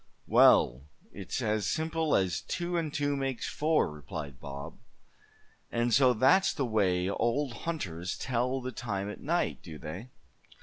"Well, it's as simple as two and two make four," replied Bob. "And so that's the way old hunters tell the time at night, do they?